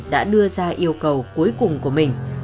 đã đưa ra yêu cầu cuối cùng của mình